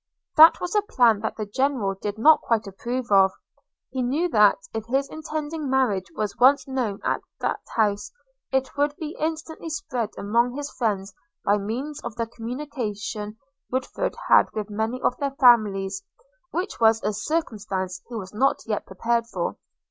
That was a plan that the General did not quite approve of: he knew that, if his intended marriage was once known at that house, it would be instantly spread among his friends by means of the communication Woodford had with many of their families, which was a circumstance he was not yet prepared for.